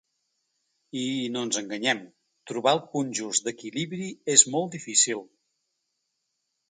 I, no ens enganyem: trobar el punt just d’equilibri és molt difícil.